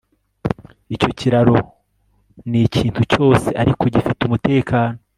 Icyo kiraro nikintu cyose ariko gifite umutekano